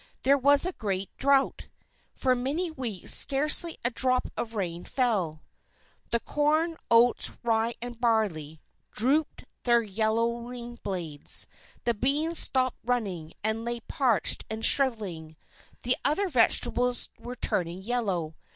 There was a great drought. For many weeks, scarcely a drop of rain fell. The corn, oats, rye, and barley, drooped their yellowing blades. The beans stopped running, and lay parched and shrivelling. The other vegetables were turning yellow.